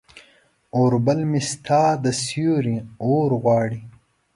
اوربل مې ستا د سیوري اورغواړي